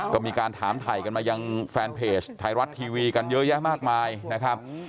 ก็มีการถามถ่ายกันมายังแฟนเพจไทยรัฐทีวีกันเยอะแยะมากมายนะครับ